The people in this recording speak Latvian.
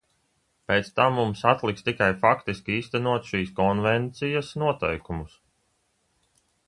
Pēc tam mums atliks tikai faktiski īstenot šīs konvencijas noteikumus.